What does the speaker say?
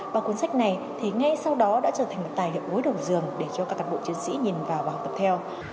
và cuốn sách này thì ngay sau đó đã trở thành một tài liệu gối đầu dường để cho các cán bộ chiến sĩ nhìn vào và học tập theo